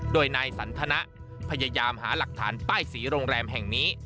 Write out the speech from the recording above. โดยนายสันทนะพยายามหาหลักฐานป้ายสีโรงแรมแห่งนี้